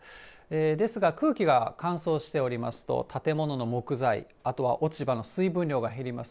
ですが、空気が乾燥しておりますと、建物の木材、あとは落ち葉の水分量が減ります。